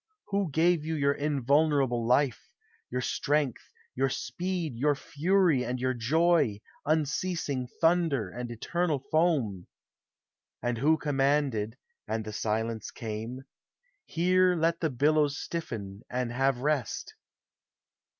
Who gave you your Invulnerable life, Your strength, your speed, your fury, and your Joy, Unceasing thunder and eternal foam? And who commanded (and the silence came), Bere let the billows stiffen, and have rest?